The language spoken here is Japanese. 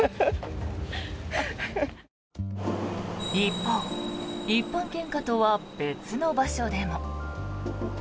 一方一般献花とは別の場所でも。